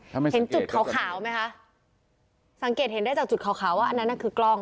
เห็นจุดขาวขาวไหมคะสังเกตเห็นได้จากจุดขาวขาวว่าอันนั้นน่ะคือกล้อง